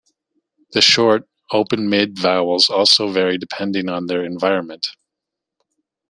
The short open-mid vowels also vary depending on their environment.